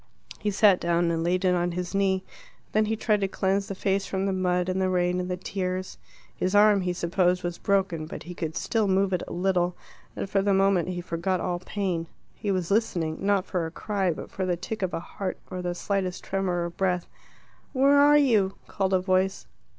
He sat down and laid it on his knee. Then he tried to cleanse the face from the mud and the rain and the tears. His arm, he supposed, was broken, but he could still move it a little, and for the moment he forgot all pain. He was listening not for a cry, but for the tick of a heart or the slightest tremor of breath. "Where are you?" called a voice.